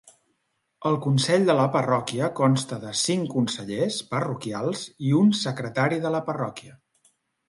El consell de la parròquia consta de cinc consellers parroquials i un secretari de la parròquia.